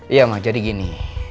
iya ma jadi gini